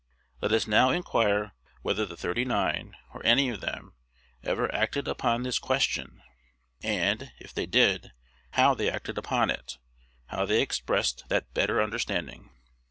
Let us now inquire whether the "thirty nine," or any of them, ever acted upon this question; and, if they did, how they acted upon it, how they expressed that better understanding.